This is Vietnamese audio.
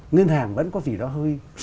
ngân hàng vẫn có gì đó hơi